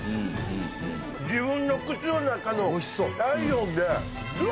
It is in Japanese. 自分の口の中の体温でブワ！